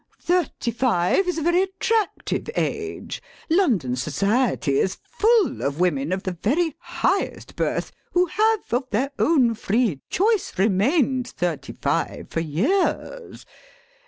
Thirty five is a very attractive age. London society is full of women of the very highest birth who have, of their own free choice, remained thirty five for years.